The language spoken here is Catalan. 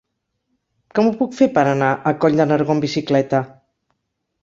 Com ho puc fer per anar a Coll de Nargó amb bicicleta?